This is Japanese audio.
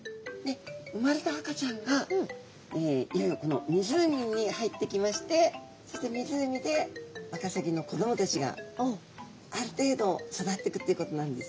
生まれた赤ちゃんがいよいよこの湖に入ってきましてそして湖でワカサギの子どもたちがある程度育ってくっていうことなんです。